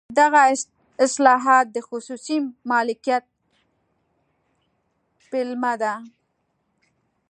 دغه اصلاحات د خصوصي مالکیت پیلامه ده.